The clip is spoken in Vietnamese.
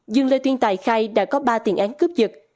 dương lê tuyên tài khai đã có ba tiền án cướp dật